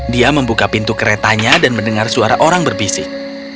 dia membuka pintu keretanya dan mendengar suara orang berbisik